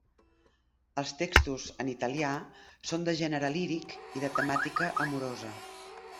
Els textos, en italià, són de gènere líric i de temàtica amorosa.